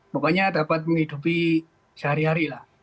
pokoknya dapat menghidupi sehari hari lah